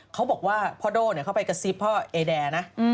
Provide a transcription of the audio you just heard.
เขาบอกว่าพอโดเนี่ยเข้าไปกระซิบพ่อเอเดร์นะ